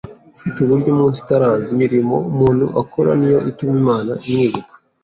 Ufite uburyo iminsi itaraza, imirimo umuntu akora niyo ituma Imana imwibuka.